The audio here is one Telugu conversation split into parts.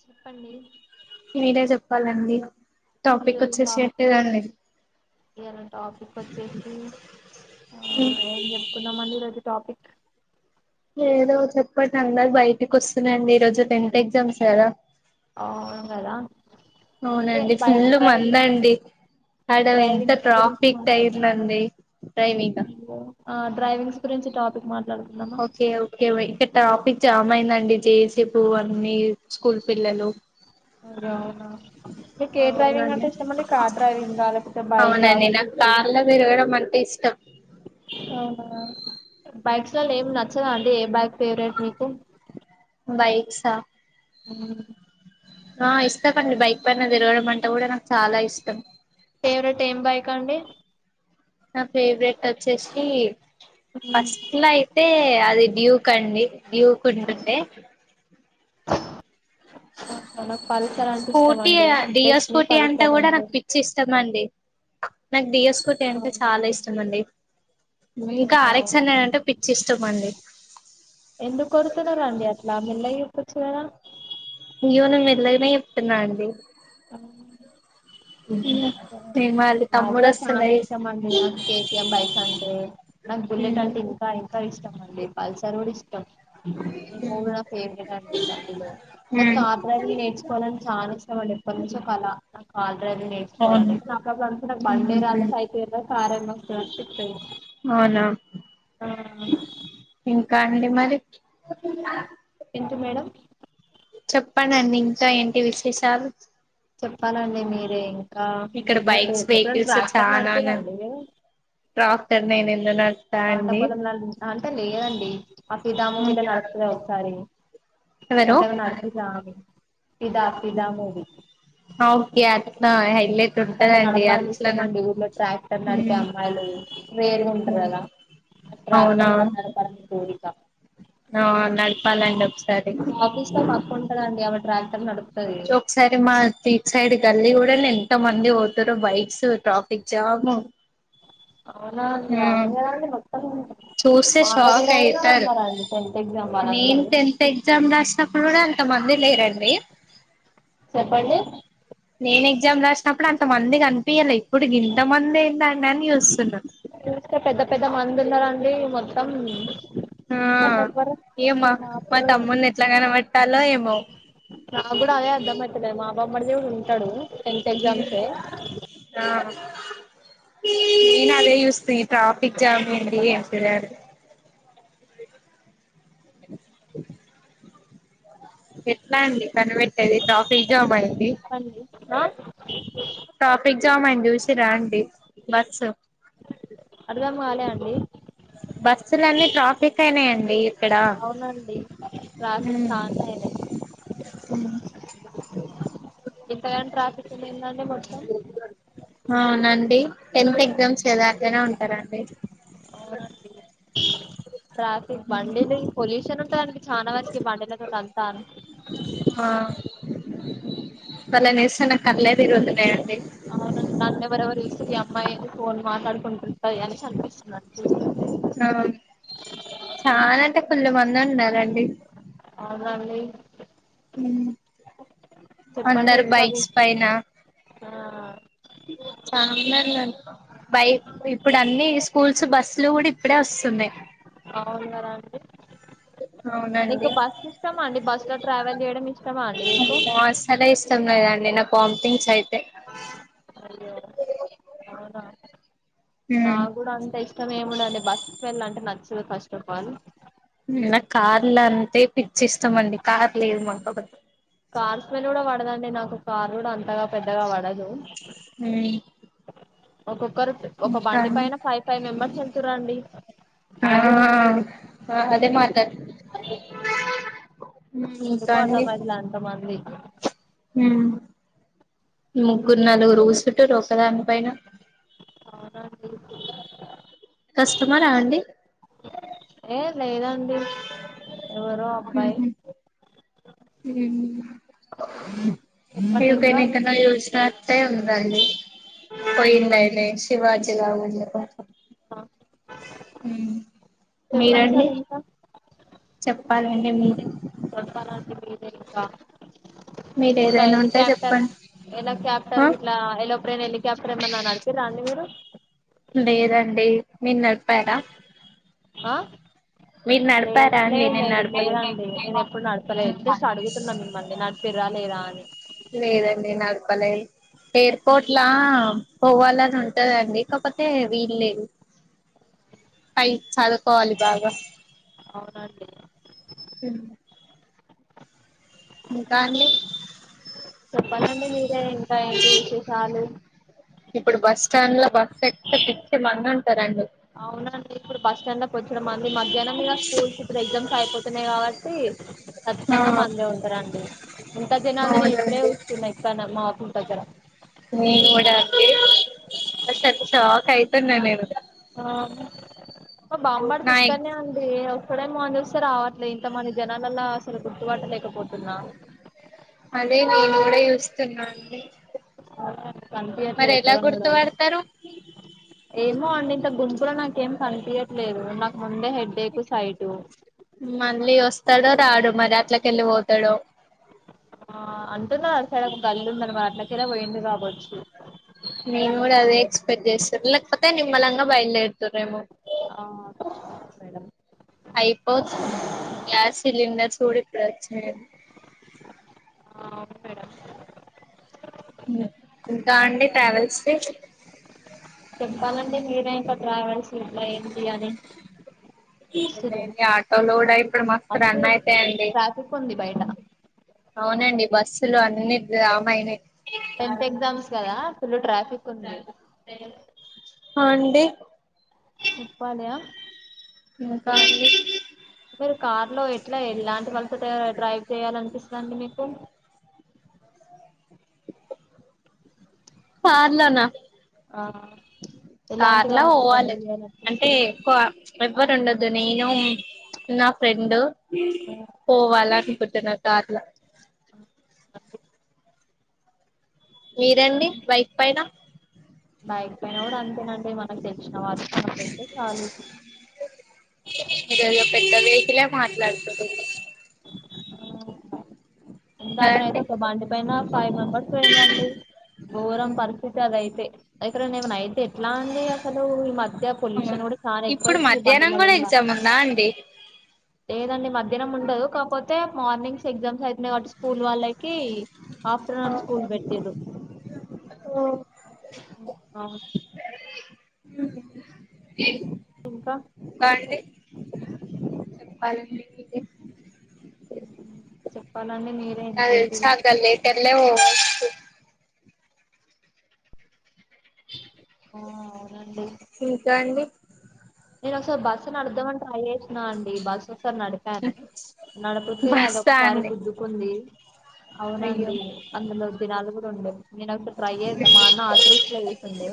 చెప్పండి మీరే చెప్పాలండి టాపిక్ ఈరోజు వచ్చేసీ టాప్ సెట్టేగదండి ఇయాల టాపిక్ వచ్చేసి ఆ ఏం చెప్పుకున్నామండి ఈరోజు టాపిక్ లేదో చెప్పండి అందరు బయటికి వస్తున్నారండి ఈరోజు టెన్త్ ఎగ్జామ్స్ గదా అవును గదా ఓకే అవునండి బైక్ ఫుల్ డ్రైవింగ్ మందండి ఆడ ఎంత డ్రైవింగ్స్ గురించి ట్రాఫిక్ మాట్లాడుకుందాం అయిందండి డ్రైవింగ్ ముందుగా డైవింగ్స్ గురించి టాపిక్ మా ఓకే ఓకే వే ఇక టాపిక్ జామయిందండి జేసపు అన్ని స్కూల్ పిల్లలు అర్ర అవునా మీకే డ్రైవింగ్ అవునండి అంటే ఇష్టం అండి కార్ డ్రైవింగా లేకపోతే బైకా అవునండి నాకు స్కూటీ కార్లో తిరగడం అంటే ఇష్టం అవునా బైక్స్ లలో ఏమి నచ్చదా అండి బైక్ ఫేవరెట్ మీకు బైక్సా అ ఆ ఇష్టమండి బైక్ పైన దిరగడం అంటె గూడా నాకు చాలా ఇష్టం ఫేవరెట్ ఏం బైకా అండి నా ఫేవరెట్ వచ్చేసి మ్మ్. ఫస్ట్ లా అయితే అది డ్యూ కండి డ్యూకుంటుండే [inaudible] ఆహ నాకు పల్సర్ అంటే ఇష్టం స్కూటీ అండి డియో డెస్టి స్కూటీ అంటే పల్సర్ కూడా రెండు నాకు [inaudible] డిఎస్ స్కూటీ అంటే చాలా అవునా ఇష్టమండి ఇంకా ఆహా ఆరెక్సన్ అంటే పిచ్చి ఇష్టమండి ఎందుకొడతన్నారు అండి అట్ల మీ అన్నయ్యకు చెప్పొచ్చు కదా ఇయ్యో నేన్ మెల్లగనే జెప్తున్నా అండి ఆ, ఏమో నాగ్గుడ చాలా ఇష్టం అండి నాకు కేటీఎం బైక్సంటే నాకు బుల్లెట్ అంటే ఇంకా ఇంకా ఇష్టంమండి పల్సర్ గుడా ఇష్ ష్టం ఈ మూడు నా ఫేవరెట్ అండి బండిలో నాకు కార్ డ్రైవింగ్ నేర్చుకోలని చా ఎప్పడి నుంచో కలా నాకాల్ [inaudible] బండే రాదు సైకిలు కారేమో అవునా [inaudible] ఆ కా అండి మరి ఎంటి మేడం చొప్పండి అండి ఇంకా ఏంటి విశేషాలు చొప్పాలండి మీరు ఇంకా ఇక్కడ మీకు బైక్స్ ఎప్పుడన్న వెహికల్స్ ట్రాక్టర్ నడిపిర్రా చాలానే అండి ట్రాక్టర్ నేనెందుకు న పంట పొలం అంటే లేదండి ఆ ఫిదా మూవీల నడుస్తది ఒకసారి వరు అట్లా ఏమన్నా నడిపిర్రా అని ఫిదా ఫిదా మూవీ ఓకే నా హై అట్ల నడపాలని ఇష్టమండి ఊళ్లో ట్రాక్టర్ నడిపే అమ్మాయిలు రేరుగా ఉంటారు కదా అ అవునా ట్రాక్టర్ నడపాలని కోరిక ఆ నడపాలండి మా ఆఫీస్ లో మా అక్క ఉంటదండి ఆమె ట్రాక్టర్ నడుపుతది ఒకసా రి సైడ్ కల్లి కూడానే ఎంత మంది పోతారో బైక్స్ ట్రాఫిక్ జాము అవునా అండి అవును హ్మ్ కదండి మొత్తం చూస్తే మా షాక్ కాలనీలో కూడా అయితారు ఉన్నారండి టెన్త్ ఎగ్జామ్ నేన్ వాళ్ళందరూ టెంత్ ఎగ్జా చెప్పండి గ్జామ్ రాసినప్పుడు అంత మంది కనిపియ్యలే ఇప్పుడుకి ఇంతమంది ఏందండి అని చూస్తున్నా చూస్తే పెద్ద పెద్ద మందున్నారు అండి మొ ఆ ఏమా మా మాపులు తమ్ముని ఎట్లాగనబట్టాలో ఏమో నాక్కూడా అదే అర్థంమయిత లేదు మా బామ్మర్ది కూడా ఉంటాడు టెన్త్ ఎగ్జామ్సే ఆ నేను అదే యూస్తి ట్రాఫిక్ జామ్ అయ్యింది [unintelligible] ఎట్లా అండి కనవెట్టేది ట్రాఫిక్ జామై చెప్పండి ఆ ట్రాఫిక్ జామ్ అయ్యింది యూసిరా అండి బస్సు అర్థం కాల అండి బస్సులన్నీ ట్రాఫిక్ అయినాయండి ఇక్కడ అవునండి ట్రాఫిక్ చాలా అయినాయి హుమ్ ఇక్కడా ట్రాఫిక్ ఉన్నిందండి అవునండి టెన్త్ ఎగ్జామ్స్ కదా అట్టనే ఉంటరండి ట్రాఫిక్ బండి దింగ్ పొల్యూషన్ ఉంటది చాన వరకి బండి మీద ఉన్నదంతా ఆ వాళ్ళని చూస్తే నా కళ్ళే తిరుగుతున్నాయండి అవున నన్నేవరన్న చూస్తే ఈ అమ్మాయి ఏంది ఫోన్ మాట్లాడు కుంటు ఆ ఎందుక అనిపిస్తుందా చూస్తుంటే ఆ రండి నన్నీ చెప్పండి అందరు ఇంకా వి బైక్స్ పైనా ఆ బైక్ ఇప్పుడు అన్ని స్కూల్స్ బస్సుల గూడ అవును కదా అండి మీకు అవునండి బస్ ఇష్టమా అండి బస్ లో ట్రావెల్ చేయడం ఇష్టమా అండి మీకు ఇష్టం లేదండి నా వామ్ టింగ్స్ అయిత అయ్యో అవునా అండి నా ఉమ్ గుడా అంతే మేమూ నండి బస్కి వెళ్ళాలంటే నచ్చదు ఫస్టఫాల్ నా కార్లు అంటే పిచ్చి ఇస్ట మండి కార్ లేదు మాక్ కార్ స్మెల్ కూడా పడదండి నాకు కార్ కూడా అంతగా పెద్దగా పడదు హుమ్ ఒక్కొక్కరు ఒక బండి పైన ఫైవ్ ఫైవ్ మెంబర్స్ వెళ్తు రండి ఆ అదే మాట ఇంకా ఎందుకో అండి అర్థమైతలే అంతమంది ముగ్గురు హ్మ్. నలుగురు కూసుంటరు ఒకదాని పైన అవునా అండి కస్టమరా అండి ఏ లేదండి ఎవరు అబ్బాయి చెప్పండి ఇంకా ఏగానా కన్నా జన్నారు ట్టాయి ఉంది రాి అవునా పోయింద ఇలే శివాజీగా మీ చెప్పండి సార్ రండి చెప్పాలండి కొడతాలండి మీదే ఇంకా మీరు ఇంకా ఏదైనా ఏది ఉంటే క్యాప్టర్ చెప్పండి ఎలా ఆ క్యాప్టర్ ఇట్లా ఎలా ఒక్రైన్ ఎళ్ళ క్యాప్టర్ ఏమన్నా నడిపిరా అండి మీరు లేదండి మీరు నడిపారా ఆ మీరు లేదు నడిపారా అండి లేదు నేను లేదు నడపలేదు లేదండి నేను ఎప్పుడు నడపలేతే అడుగుతున్నాను మిమ్మల్ని న ఫర లేద అని లేదండి నాగపలల్ ఎయిర్పోర్ట్లా పోవాలని ఉంటందండికపోతే వీలు లేదు కాై చాల కోాలి బాగా అవునండి ఇంకా అండి చెప్పాలండి మీరే ఇంకా ఏంటి విశేషాలు ఇప్పుడు బస్ స్టాండ్ లో బస్సు ఎక్కిచ్చి బంద ఉంటారండి ం పొచ్చడం అంది మధ్యాహ్నం ఇక స్కూల్స్ ఇప్పుడు ఎగ్జామ్స్ అయిపోతున్నాయి కాబట్టి ఆ ఖచ్చితంగా మందే ఉంటారుండి ఇంత జినాల నేను ఇప్పుడే అవునండి చస్తున్నా ఇక్కడ మా స్కూల్ దగ్గర నేను కూడా అండి నేనైతే షాక్ అయితున్న నేను ఆ బామ్మర్ది నా ఇక్కడనే ఎగ్స్ అండి ఒకక్కడే మంది వస్త రావట్లే ఇంత మంది జనాలలా అసలు గుర్తుపట్టలేకపోతున్నా అదే నేను కూడా చూస్తున్నాండి అ కనిపి అట్లే ఎక్కడ మడవు గుర్తుపడతారు ఏమో అండి ఇంత గుంపులో నాకేం కనిపయట్లేదు నాకు ముందే హెడ్డేకు సైటు మళ్ళీ వస్తాడో రాడు మరి అట్లకెళ్ళి పోతాడుో ఆ అంటున్నా అ సైడ ఒక గల్లి ఉందన్నమారి అట్లకేలా పోయింది కావచ్చు నవ కూడా అదే ఎక్స్పెక్ట్ చేస్త లేకపోతే నిమ్ మలంగా బయల్లే ఇర్తుర రేమ ఆ మేడం అయిపో గ్యాస్ సిలిండర్ చూడ ప్రచ్చ ఆ అవును మేడం ఇంకా అండి ట్రావెల్స్ కి చెప్పాలండి మీరే ఇంకా ట్రావెల్స్ ఇలా ఏంటి అని ఆటో లోడ్ అయి ఇప్పుడు మస్తు రన్ అయితాయిడి ట్రాఫిక్ ఉంది బయట అవునండి బస్సులు అన్ని జామైనాయి టెన్త్ ఎగ్జామ్స్ కదా ఫుల్లు ట్రాఫిక్ ఉంది ఆండ సిప్పాలయా ఇంకాే మీరు కార్ లో ఎట్లా ఎలాంటి వాళ్ళతో డ్రైవ్ చేయాలనిపిస్తంది రడి మీకు కార్లో నా ఆ ఎలాంటి కార్లా వాళ్ళతో డ్రైవ్ పోవాలి అంటే చేయాలనిపిస్తది ఎక్కువ ఎవ్వరు ఉండదు నేను నా ఫ్రెండ్ పోవాల అనుకుంటు నా కాట్లా మీరేండి బైక్ పైన బైక్ పయిన కూడారు అంతేనండి మనకు తెలిసిన వాళ్కి మనకు వెళ్తే చాలు ఇదేదో పెద్ద వెహికిలే మాట్లాడుకుటురు ఇందాకనైతే కదండి ఒక బండి పైన ఫైవ మెంబర్స్ పొయిరండి గోరం పరిస్థితి అదైతే ఎక్కడైన ఏమన అయితే ట్లా అండి అసలు ఈ మధ్య పొల్యూషన్ గుడా చాని ఎక్కువ ఇప్పుడు అయితుంది మధ్యాహ్నం బండిలా కూడా ఎల్ళ ఎగ్జామ్ ఉందా అండి లేదండి మధ్యాహ్నం ఉండదు కాపోతే మార్నింగ్స్ ఎగ్జామ్స్ అయితున్నయ్ కావట్టి స్కూల్ వాళ్ళై కీ ఆఫ్టర్నూన్ స్కూల్ బెట్టిరు ఒ ఇంకా చెప్పాలె [inaudible] చెప్పాలండి మీరే నాకు ఇంకేంటి తెలిసి ఆ విశ్ [unintelligible] ఆ అవునండి ఇంకా అండి నేను ఒకసారి బస్సు నడుపుదామని ట్రై చేసినా అండి బస్సు సర్ నడిపాను నడుపుతే అది బస్సా ఒకసారి అండి గుద్దుకుంది అయ్యో అవునండీ అందులో దినాలు గూడ ఉండే నేను ఒకసర్ ట్రై జేద్దామా అన్న ఆల్ట్రిస్ల ఏస్ ఉండే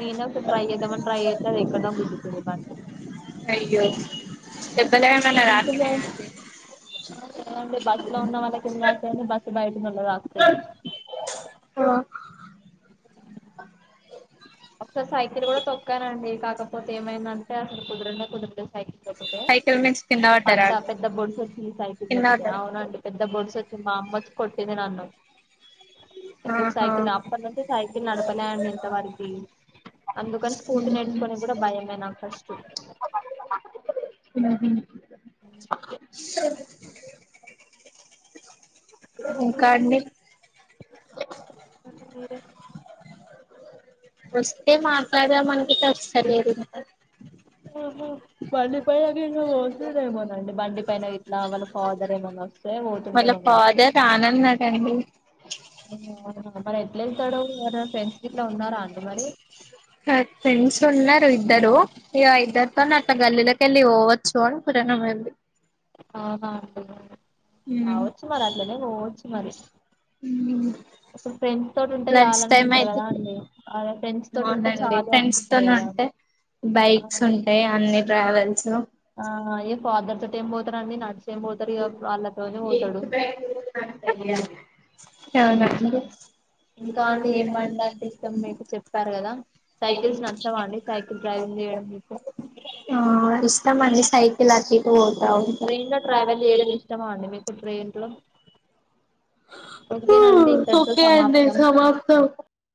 నేను ఒకసా ట్రై ఏద్దామని ట్రై చేస్తే అది ఎక్కడ్నో గుద్దుకుంది బండి అయ్యో దెబ్బల్ ఏనన్న దాకినయానె [unintelligible] బస్ లో ఉన్న వాళ్ళకి ఎందు తాతాయండి బస్సు బయటునోళ్ళక్ తాక్తయ్ ఆ ఒకసారి సైకిల్ గూడా తొక్కానండి కాకపోతే ఏమైందంటే అసలు కుదరనే కుదరదు సైకిల్ తొకుతే సైకిల్ నుంచి కింద పడ్డారా పడ్డా అండి పెద్ద బొడుసొచ్చింది సైకిల్ కింద దొక్కుతే పడ్డారా అవునండి పెద్ద బొడుసొ మా అమ్మ ఒచ్ కొట్టింది నన్ను ఎద్దుక్ ఆహా సైకిల్ అప్పనుంచి సైకిల్ నడపలే అండి ఇంతవరకి అందుకని స్కూటీ నేర్చుకొని కూడా భయమే నా ఫస్ట్ ఊహు అండి [inaudible] వస్తే మాట్లాడుదాం అనుకుట్టే ఒస్సలేడు బండి పైన [unintelligible] వోసడేమో నండి బండి పైన ఇట్లా వాళ్ళ ఫాదర్ ఏమన్నా ఒస్ వాళ్ళ ఫాదర్ రానన్నాడండి అవునా, మరి ఎట్ల ఎల్తడూ ఎవరన్ ఫ్రెండ్స్ గిట్లా ఉన్నారా అండి మరి అ ఫ్రండ్స్ ఉన్నారు ఇద్దరూ ఇగ ఇద్దర్తోన్ అట్ల గల్లిలకెన్ ల్లి వోవచ్చు అడ [unintelligible] అవునా అండి కావచ్చు మరి అట్లనే పోవచ్చు మరి ఇపుడు ఫ్రెండ్స్ తోటి ఉంటే లంచ్ టైం చాలనుకుంటారు అయితే కదా అండి అదే ఫ్రెండ్స్ తోటి ఉంటే అవునండి చాలు ఫ్రెండ్స్ అనుకుంటారు కదా తోనుంటే బైక్స్ ఉంటయ్ అన్ని ట్రావెల్స్ ఆ ఏ ఫాదర్ తోటి ఏం పోతారండి నడ్సేం బోతరు ఇక వాళ్ళతోనే వోతడు అవునా అండి ఇంకా అండి ఏం బండి అంటే ఇష్టం మీకు చెప్పారు గదా, సైకిల్స్ నచ్చవా అండి సైకిల్ డ్రైవ్. నేడం ఇప్పు ఆ ఇస్థం అండి సైకిల్ అటిటు వోతా ట్రైన్లో ట్రావెల్ చేయడం ఇష్టమా అండి మీకు ట్రైన్లో హో ఓకే అండి సమాప్తం సమాప్తం